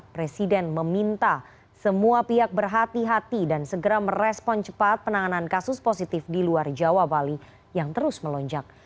presiden meminta semua pihak berhati hati dan segera merespon cepat penanganan kasus positif di luar jawa bali yang terus melonjak